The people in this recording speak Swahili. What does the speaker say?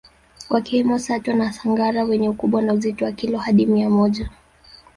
Wakiwemo Sato na Sangara wenye ukubwa wa uzito wa kilo hadi mia moja